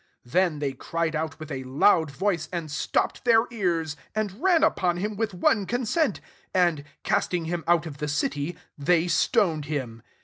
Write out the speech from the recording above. '' 57 Then they cried out with a loud voice, and stopped their ears, and ran upon him with one consent; and, casting him out of the city, they stoned him.